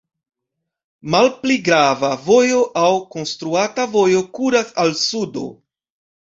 Malpli grava vojo aŭ konstruata vojo kuras al sudo.